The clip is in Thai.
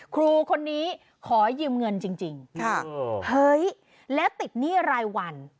ครูคนนี้ขอยืมเงินจริงเฮ้ยแล้วติดหนี้รายวัน